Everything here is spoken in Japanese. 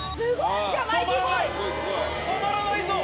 止まらないぞ。